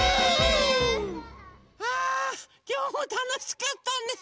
あきょうもたのしかったね。